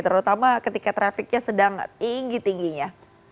terutama ketika trafficnya sedang tinggi tingginya